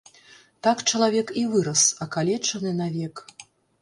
Так чалавек і вырас, акалечаны навек.